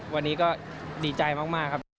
วันนี้ก็ดีใจมากครับ